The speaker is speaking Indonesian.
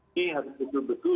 ini harus betul betul